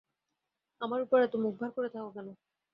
আমার উপর এত মুখ ভার করে থাকো কেন?